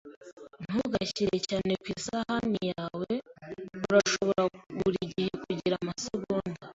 Ntugashyire cyane ku isahani yawe! Urashobora buri gihe kugira amasegonda.